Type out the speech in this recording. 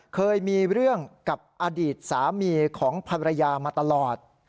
เคยมีเรื่องกับอดีตสามีของภรรยามาตลอด